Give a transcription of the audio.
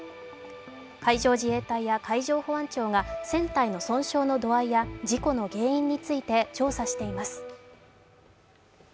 海上自衛隊や海上保安庁が船体の損傷の度合いや事故の原因について調査しています。